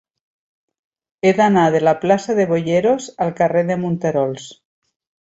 He d'anar de la plaça de Boyeros al carrer de Monterols.